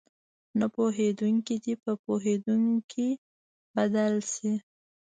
نه پوهېدونکي دې په پوهېدونکي بدل شي.